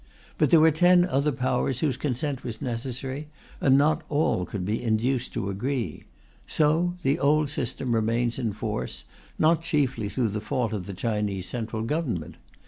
But there were ten other Powers whose consent was necessary, and not all could be induced to agree. So the old system remains in force, not chiefly through the fault of the Chinese central government.